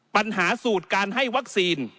ปัญหาสูตรการให้วัคซีน